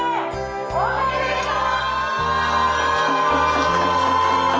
おめでとう！